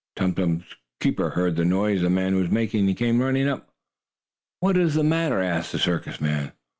Tum Tum's keeper heard the noise the man was making, and came running up. "What is the matter?" asked the circus man.